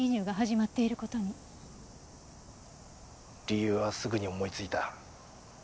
理由はすぐに思いついた。